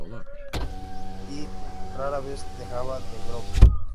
Y, rara vez dejaba The Grove.